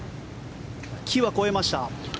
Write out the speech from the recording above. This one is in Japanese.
木は越えました。